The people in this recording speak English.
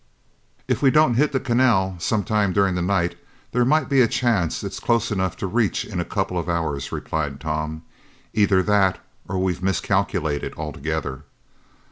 "If we don't hit the canal sometime during the night, there might be a chance it's close enough to reach in a couple of hours," replied Tom. "Either that, or we've miscalculated altogether."